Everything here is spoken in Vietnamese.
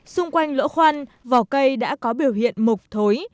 xung quanh lỗ khoan vỏ cây đã có biểu hiện mục thối